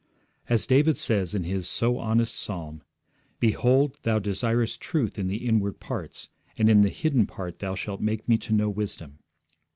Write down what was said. As David says in his so honest psalm, 'Behold, Thou desirest truth in the inward parts, and in the hidden part Thou shalt make me to know wisdom.'